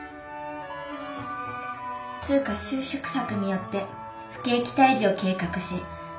通貨収縮策によって不景気退治を計画し。